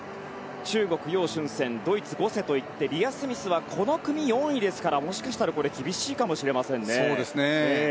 中国、ヨウ・シュンセンドイツのゴセといってリア・スミスはこの組４位ですからもしかしたら厳しいかもしれませんね。